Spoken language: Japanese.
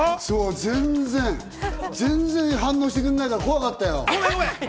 全然反応してくれないから、怖かったよ。